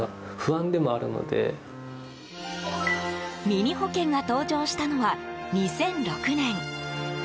ミニ保険が登場したのは２００６年。